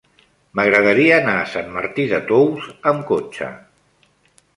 M'agradaria anar a Sant Martí de Tous amb cotxe.